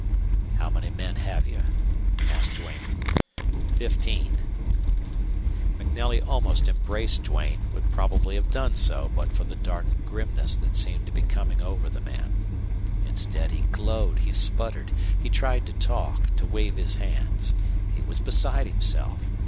"How many men have you?" asked Duane. "Fifteen." MacNelly almost embraced Duane, would probably have done so but for the dark grimness that seemed to be coming over the man. Instead he glowed, he sputtered, he tried to talk, to wave his hands. He was beside himself.